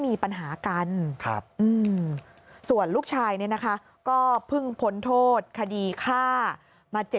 มีปัญหากันส่วนลูกชายเนี่ยนะคะก็เพิ่งพ้นโทษคดีฆ่ามา